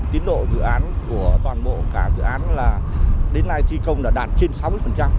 tiến độ dự án của toàn bộ cả dự án là đến nay thi công đã đạt trên sáu mươi